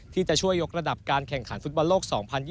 ที่จะช่วยยกระดับการแข่งขันฟุตบอลโลก๒๐๒๐